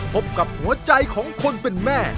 พบกับหัวใจของคนเป็นแม่